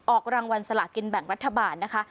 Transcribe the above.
ออกรางวัลสลากินแบ่งรัฐบาลนะคะ